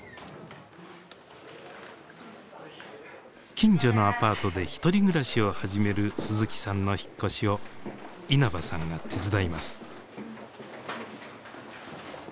近所のアパートで１人暮らしを始める鈴木さんの引っ越しを稲葉さんが手伝います。